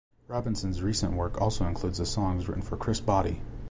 Robinson's recent work also includes the songs written for Chris Botti.